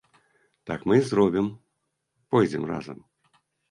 Так мы і зробім, пойдзем разам.